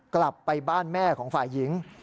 กลับไปบ้านแม่ของฝ่ายหญิง